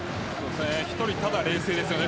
１人ただ冷静ですよね